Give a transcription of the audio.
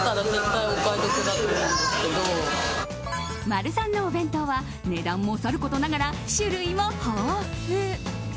マルサンのお弁当は値段もさることながら種類も豊富。